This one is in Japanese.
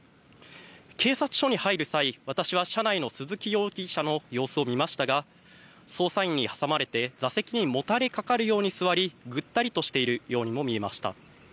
警察署に入る際私は車内の鈴木容疑者の様子を見ましたが捜査員に挟まれて座席にもたれかかるように座りぐったりとしているようにも見えました。